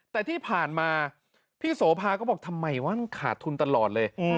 แต่ที่ผ่านมาพี่โสภาก็บอกทำไมวะมันขาดทุนตลอดเลย